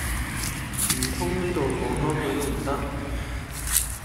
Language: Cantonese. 唔通呢度講多句都唔得